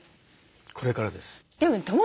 これからです。